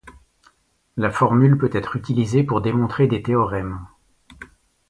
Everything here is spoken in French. La formule peut être utilisée pour démontrer des théorèmes.